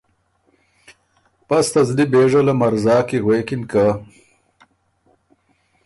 بس ته زلی بېژه له مرزا کی غوېکِن که